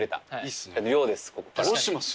どうします？